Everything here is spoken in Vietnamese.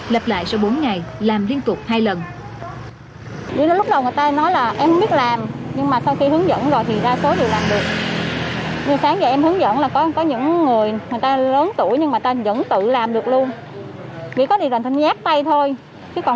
lập lại sau bốn ngày làm liên tục hai lần